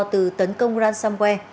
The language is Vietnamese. từ tấn công ransomware